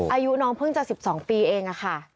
อายุน้องเพิ่งจะ๑๒ปีเองค่ะ